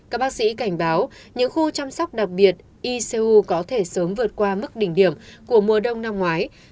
các bác sĩ cảnh báo những khu chăm sóc đặc biệt icu có thể sớm vượt qua mức đỉnh điểm của mùa đông năm ngoái